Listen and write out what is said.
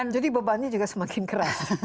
jadi bebannya juga semakin keras